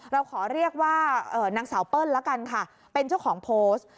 เราขอเรียกว่านางสาวเปิ้ลละกันค่ะเป็นเจ้าของโพสต์